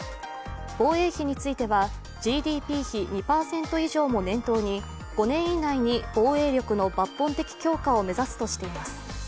防衛費についてはＧＤＰ比２％以上も念頭に５年以内に防衛力の抜本的強化を目指すとしています。